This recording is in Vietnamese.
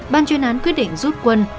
ban chuyên án quyết định rút quân